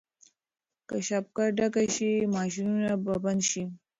که شبکه ډکه شي ماشینونه به بند شي.